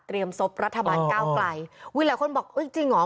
เตรียมสบรัฐบาลก้าวไกลหลายคนบอกเอ้ยจริงเหรอ